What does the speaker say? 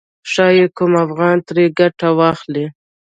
ښايي کوم افغان ترې ګټه واخلي.